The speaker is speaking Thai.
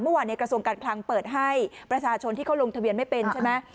ในกระทรวงการคลังเปิดให้ประชาชนที่เขาลงทะเบียนไม่เป็นใช่ไหม